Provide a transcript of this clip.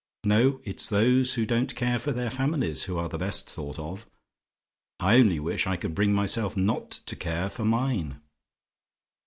No: it's those who don't care for their families who are the best thought of. I only wish I could bring myself not to care for mine.